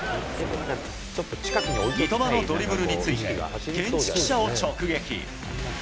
三笘のドリブルについて、現地記者を直撃。